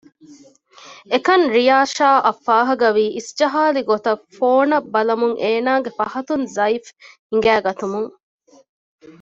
އެކަން ރިޔާޝާ އަށް ފާހަގަ ވީ އިސްޖަހާލި ގޮތަށް ފޯނަށް ބަލަމުން އޭނާގެ ފަހަތުން ޒާއިފް ހިނގައިގަތުމުން